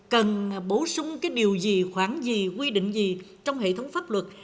cần bổ sung cái điều gì khoảng gì quy định gì trong hệ thống pháp luật